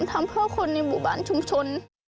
ทำเพื่อคนในบุบันชุมชน